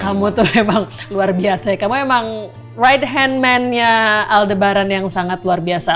kamu tuh memang luar biasa ya kamu memang right hand man nya al debaran yang sangat luar biasa